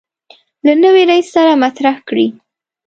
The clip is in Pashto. له نوي رئیس سره مطرح کړي.